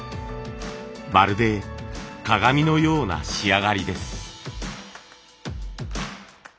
まるで鏡のような仕上がりです。